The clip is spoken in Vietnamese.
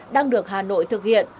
đang được hà nội thực hiện